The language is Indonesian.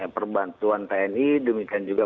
perbantuan tni demikian juga